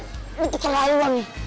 wah ini ini keterlaluan nih